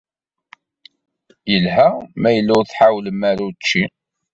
Yelha ma yella ur tḥawlem ara učči.